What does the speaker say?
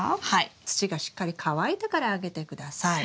土がしっかり乾いてからあげて下さい。